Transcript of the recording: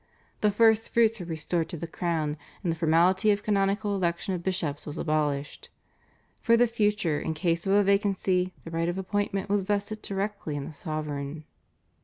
The First Fruits were restored to the crown, and the formality of canonical election of bishops was abolished. For the future in case of a vacancy the right of appointment was vested directly in the sovereign.